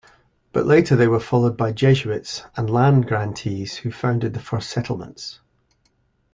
But later they were followed by Jesuits and land-grantees who founded the first settlements.